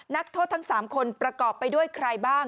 นักโทษทั้ง๓คนประกอบไปด้วยใครบ้าง